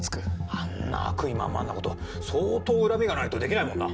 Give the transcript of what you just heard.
あんな悪意満々なこと相当恨みがないとできないもんな。